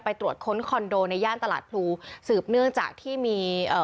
ตรวจค้นคอนโดในย่านตลาดพลูสืบเนื่องจากที่มีเอ่อ